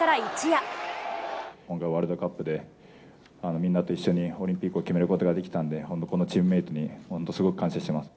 今回、ワールドカップでみんなと一緒にオリンピックを決めることができたんで、本当、このチームメートに本当、すごく感謝してます。